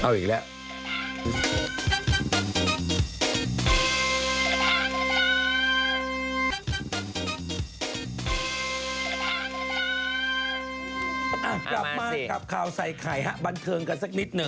กลับมากับข่าวใส่ไข่ฮะบันเทิงกันสักนิดหนึ่ง